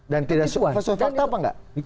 dan tidak sesuai fakta apa enggak